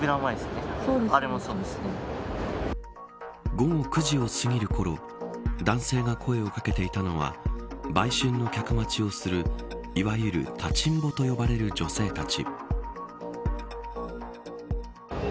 午後９時をすぎるころ男性が声を掛けていたのは売春の客待ちをするいわゆる立ちんぼと呼ばれる女性たち。